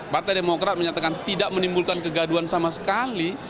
partai demokrat menyatakan tidak menimbulkan kegaduan sama sekali